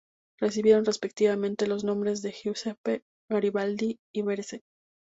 Recibieron, respectivamente, los nombres de "Giuseppe Garibaldi" y "Varese".